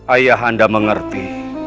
ayah anda mengerti